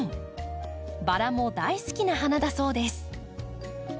バラも大好きな花だそうです。